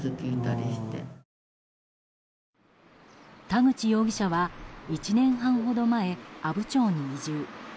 田口容疑者は１年半ほど前阿武町に移住。